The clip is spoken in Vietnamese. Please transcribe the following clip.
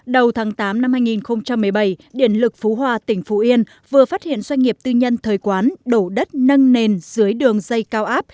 đầu tháng tám năm hai nghìn một mươi bảy điện lực phú hòa tỉnh phú yên vừa phát hiện doanh nghiệp tư nhân thời quán đổ đất nâng nền dưới đường dây cao áp